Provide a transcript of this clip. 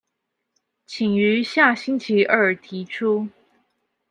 請於下星期二提出